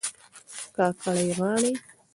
کاکړۍ غاړي